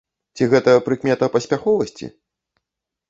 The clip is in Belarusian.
Ці гэта прыкмета паспяховасці?